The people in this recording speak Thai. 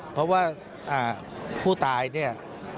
เพราะว่าผู้ตายเนี่ย